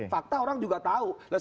fakta orang juga tahu